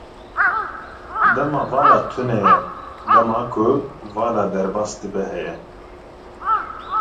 Dema vala tune ye, dema ku vala derbas dibe heye.